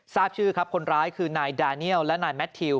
ทราบชื่อครับคนร้ายคือนายดาเนียลและนายแมททิว